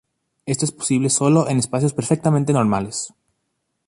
Esto es posible sólo en espacios perfectamente normales.